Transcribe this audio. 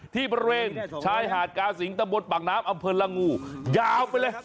ที่บริเวณชายหาดกาสิงตะบนปากน้ำอำเภอละงูยาวไปเลย